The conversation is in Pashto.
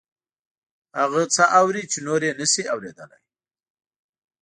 هغه څه اوري چې نور یې نشي اوریدلی